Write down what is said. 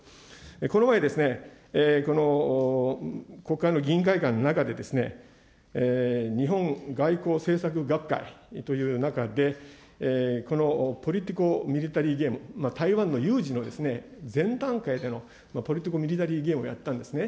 この前、国会の議員会館の前で、日本外交政策学会という中で、このポリティコミリタリーゲーム、台湾の有事の前段階でのポリティコミリタリーゲームをやったんですね。